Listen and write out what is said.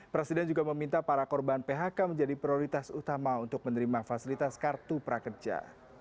presiden juga meminta para korban phk menjadi prioritas utama untuk menerima fasilitas kartu prakerja